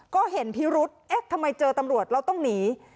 ก็เห็นพิรุษเอ๊ะทำไมเจอตำรวจเราต้องหนี